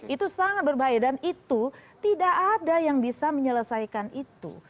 itu sangat berbahaya dan itu tidak ada yang bisa menyelesaikan itu